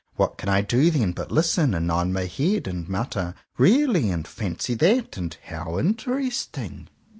What can I do then but listen, and nod my head, and mutter ''Really!" and ''Fancy that!" and "How interesting!"